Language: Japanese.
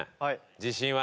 自信は？